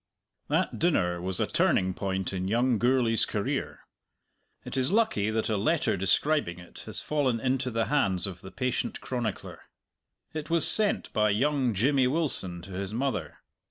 That dinner was a turning point in young Gourlay's career. It is lucky that a letter describing it has fallen into the hands of the patient chronicler. It was sent by young Jimmy Wilson to his mother.